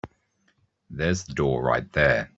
There's the door right there.